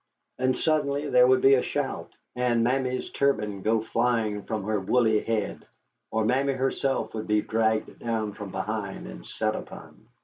And suddenly there would be a shout, and Mammy's turban go flying from her woolly head, or Mammy herself would be dragged down from behind and sat upon.